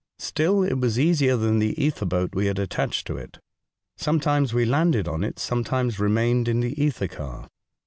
Still it was easier than the ether boat we had attached to it. Sometimes we landed on it, sometimes remained in the ether car.